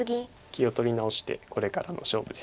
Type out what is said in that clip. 気を取り直してこれからの勝負です。